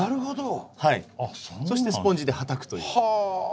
そしてスポンジではたくという。